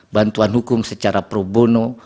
bantuan hukum secara pro bono